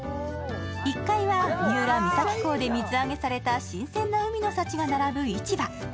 １階は三浦三崎港で水揚げされた新鮮な海の幸が並ぶ市場。